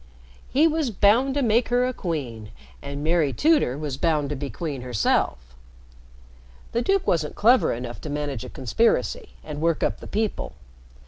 He was bound to make her a queen, and Mary Tudor was bound to be queen herself. The duke wasn't clever enough to manage a conspiracy and work up the people.